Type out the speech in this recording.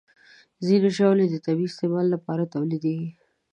ځینې ژاولې د طبي استعمال لپاره تولیدېږي.